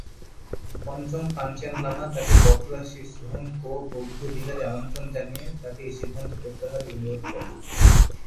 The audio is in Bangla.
পঞ্চম পাঞ্চেন লামা তাকে ব্ক্রা-শিস-ল্হুন-পো বৌদ্ধবিহারে আমন্ত্রণ জানিয়ে তাকে এই সিদ্ধান্ত প্রত্যাহারের অনুরোধ করেন।